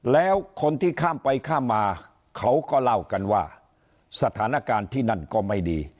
แล้วคนที่ข้ามไปข้ามมาเขาก็เล่ากันว่าสถานการณ์ที่นั่นก็ไม่ดี